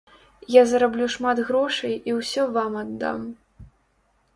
Я зараблю шмат грошай і ўсе вам аддам.